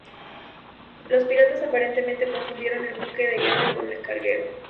Los piratas aparentemente confundieron el buque de guerra con un carguero.